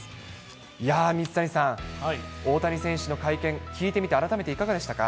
いやー、水谷さん、大谷選手の会見、聞いてみて、改めていかがでしたか。